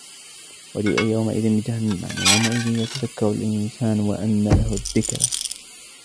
وَجِيءَ يَوْمَئِذٍ بِجَهَنَّمَ يَوْمَئِذٍ يَتَذَكَّرُ الْإِنْسَانُ وَأَنَّى لَهُ الذِّكْرَى